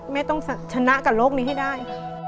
แม่ต้องชนะกับโลกนี้ให้ได้